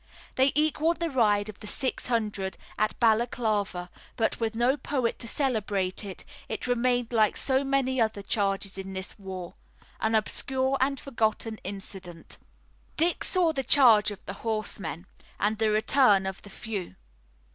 They equalled the ride of the Six Hundred at Balaklava, but with no poet to celebrate it, it remained like so many other charges in this war, an obscure and forgotten incident. Dick saw the charge of the horsemen, and the return of the few.